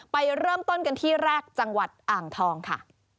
ไปเริ่มต้นกันที่แรกจังหวัดอ่างทองค่ะ